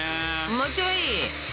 もうちょい。